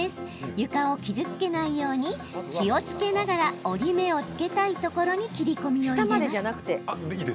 床を傷つけないように気をつけながら折り目をつけたいところに切り込みを入れます。